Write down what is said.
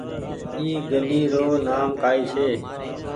اي گُلي رو نآم ڪآئي ڇي۔